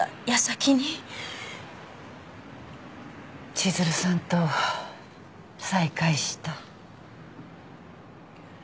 千鶴さんと再会した。